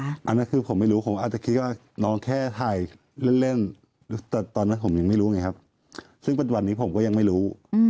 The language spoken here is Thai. อันนั้นคือผมไม่รู้ผมอาจจะคิดว่าน้องแค่ถ่ายเล่นแต่ตอนนั้นผมยังไม่รู้ไงครับซึ่งปัจจุบันนี้ผมก็ยังไม่รู้